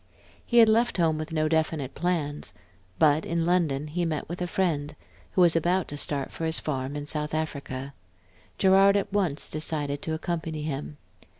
He had left home with no definite plans; but in London he met a friend, who was about to start for his farm in South Africa. Gerard at once decided to accompany him.